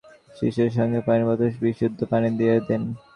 পানির বোতলস্কুলে যাওয়ার সময় শিশুর সঙ্গে পানির বোতলে বিশুদ্ধ পানি দিয়ে দিন।